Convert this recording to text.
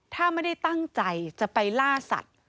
ถ้าไม่ได้ตั้งใจจะไปล่าสัตว์